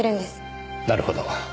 なるほど。